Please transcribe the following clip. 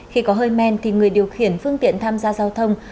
khi có hơi men thì người điều khiển phương tiện tham gia giao thông